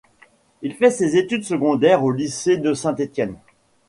Il fait ses études secondaires au lycée de Saint-Étienne.